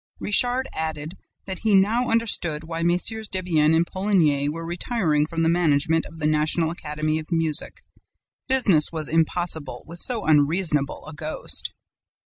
Richard added that he now understood why MM. Debienne and Poligny were retiring from the management of the National Academy of Music. Business was impossible with so unreasonable a ghost.